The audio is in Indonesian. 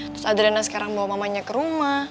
terus adrena sekarang bawa mamanya ke rumah